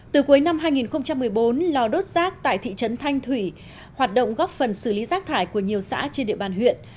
từ cuối năm hai nghìn một mươi bốn lò đốt rác tại thị trấn thanh thủy hoạt động góp phần xử lý rác thải của nhiều xã trên địa bàn huyện